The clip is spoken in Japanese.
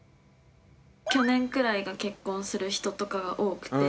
去年くらいが結婚する人とかが多くて。